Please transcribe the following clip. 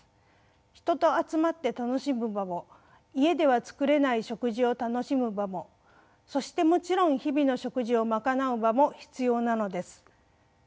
人と集まって楽しむ場も家では作れない食事を楽しむ場もそしてもちろん日々の食事を賄う場も必要なのです。